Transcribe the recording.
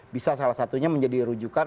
bisa salah satunya menjadi rujukan